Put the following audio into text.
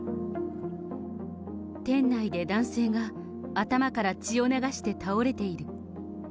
店内で男性が頭から血を流して倒れている。